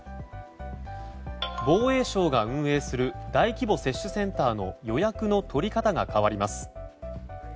防衛省が運営する大規模接種センターの予約の取り方が変わります。